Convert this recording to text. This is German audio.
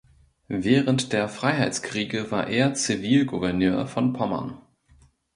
Während der Freiheitskriege war er Zivilgouverneur von Pommern.